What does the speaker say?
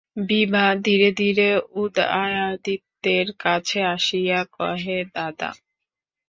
বিভা ধীরে ধীরে উদয়াদিত্যের কাছে আসিয়া কহে, দাদা।